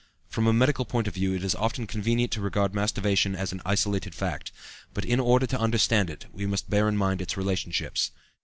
From a medical point of view it is often convenient to regard masturbation as an isolated fact; but in order to understand it we must bear in mind its relationships.